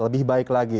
lebih baik lagi